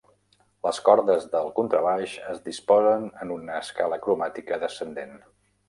Les cordes del contrabaix es disposen en una escala cromàtica descendent.